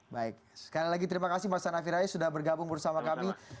baik sekali lagi terima kasih mas hanafi rais sudah bergabung bersama kami